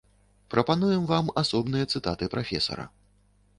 Прапануем вам асобныя цытаты прафесара.